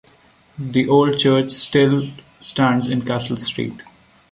The old church still stands in Castle Street.